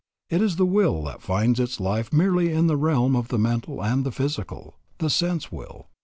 It is the will that finds its life merely in the realm of the mental and the physical, the sense will.